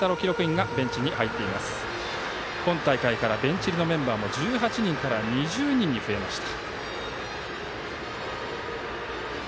今大会からベンチ入りのメンバーも１８人から２０人に増えました。